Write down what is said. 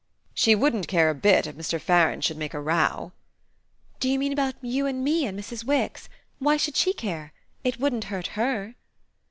"She wouldn't care a bit if Mr. Farange should make a row." "Do you mean about you and me and Mrs. Wix? Why should she care? It wouldn't hurt HER."